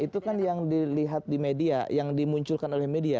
itu kan yang dilihat di media yang dimunculkan oleh media